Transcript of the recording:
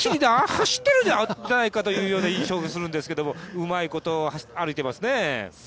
走っているんじゃないかという印象を受けたりするんですけれども、うまいこと歩いていますね。